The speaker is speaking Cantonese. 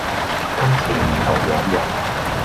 今時唔同往日